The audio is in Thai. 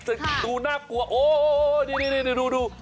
หนูน่ากลัวโอ้โหนี่